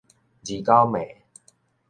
二九暝